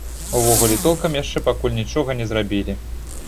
Увогуле, толкам яшчэ пакуль нічога не зрабілі.